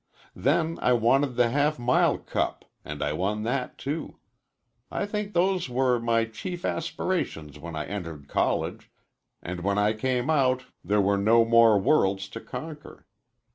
Then I wanted the Half mile Cup, and I won that, too. I think those were my chief aspirations when I entered college, and when I came out there were no more worlds to conquer.